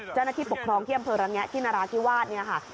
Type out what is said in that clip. เจ้านักที่ปกครองเที่ยมเผอร์ระแงะที่นราศิวาสน์นี่ค่ะ